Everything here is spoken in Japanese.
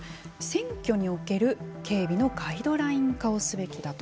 選挙における警備のガイドライン化をするべきだと。